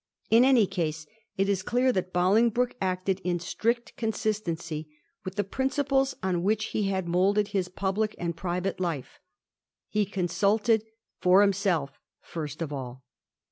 In any case, it is clear that Bolingbroke acted in strict consistency with the principles on which he had moulded his public and private life : he consulted for himself first of all.